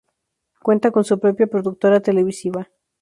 Cuenta con su propia productora televisiva.